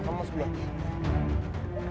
kamu tidak butuh papa